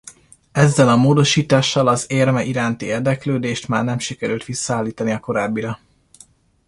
Ezzel a módosítással az érme iránti érdeklődést már nem sikerült visszaállítani a korábbira.